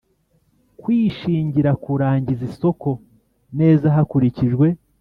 kwishingira kurangiza isoko neza hakurikijwe